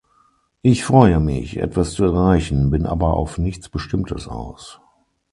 Ich freue mich, etwas zu erreichen, bin aber auf nichts Bestimmtes aus.